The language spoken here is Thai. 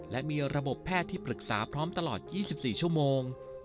และมีระบบแพทย์ที่ปรึกษาพร้อมตลอด๒๔ชั่วโมง